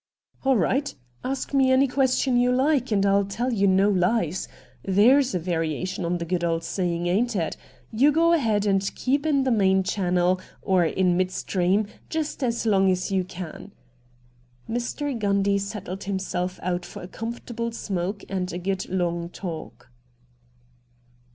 ' All right — ask me any question you like and ril tell you no lies — there's a variation on AN INTERVIEW WITH MR. RATT GUNDY 233 the good old saying, ain't it ? You go ahead, and keep in the main channel, or in midstream just as long as you can.' Mr. Gundy settled himself out for a comfortable smoke and a good long talk.